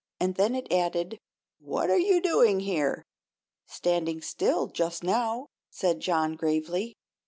And then it added: "What are you doing here?" "Standing still, just now," said John, gravely.